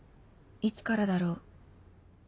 いつからだろう